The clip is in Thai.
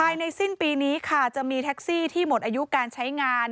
ในสิ้นปีนี้ค่ะจะมีแท็กซี่ที่หมดอายุการใช้งาน